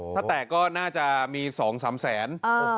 ถ้าแตกก็น่าจะมี๒๓แสน